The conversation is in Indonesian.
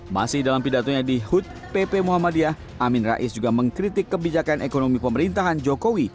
masih dalam pidatonya di hud pp muhammadiyah amin rais juga mengkritik kebijakan ekonomi pemerintahan jokowi